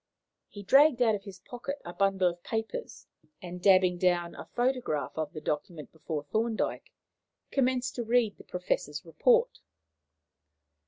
He dragged out of his pocket a bundle of papers, and, dabbing down a photograph of the document before Thorndyke, commenced to read the Professor's report.